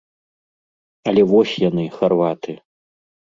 Але вось яны, харваты.